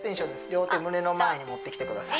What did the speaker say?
両手胸の前に持ってきてください